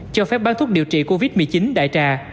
cho phép bán thuốc điều trị covid một mươi chín đại trà